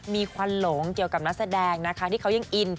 มีควันหลงเกี่ยวกับนักแสดงนะคะที่เขายังอิน